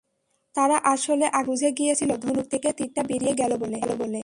তারা আসলে আগেভাগেই বুঝে গিয়েছিল, ধনুক থেকে তিরটা বেরিয়ে গেল বলে।